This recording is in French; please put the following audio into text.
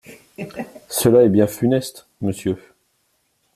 Cela est bien funeste, monsieur.